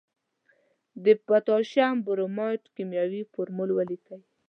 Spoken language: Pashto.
د پوتاشیم برماید کیمیاوي فورمول ولیکئ.